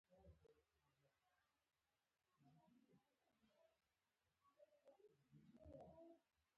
وېره.